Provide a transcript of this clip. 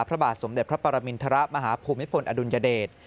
พระบาทสมเด็จพระปรมินทรมาฮภูมิพลอดุลยเดช